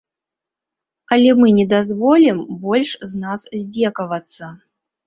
Але мы не дазволім больш з нас здзекавацца.